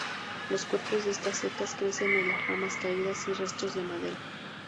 Los cuerpos de estas setas crecen en las ramas caídas y restos de madera.